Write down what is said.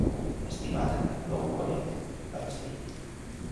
"Estimada, no ho conec", vaig dir.